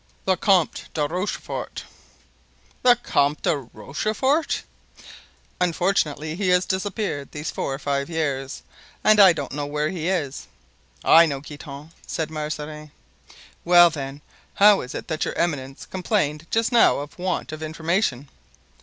"The Comte de Rochefort." "The Comte de Rochefort!" "Unfortunately he has disappeared these four or five years and I don't know where he is." "I know, Guitant," said Mazarin. "Well, then, how is it that your eminence complained just now of want of information?"